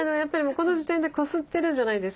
この時点でこすってるじゃないですか。